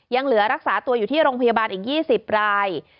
ยังเหลือรักษาตัวอยู่ที่โรงพยาบาลอีก๒๐ราย